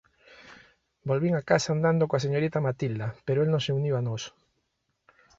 Volvín á casa andando coa señorita Matilda, pero el non se uniu a nós.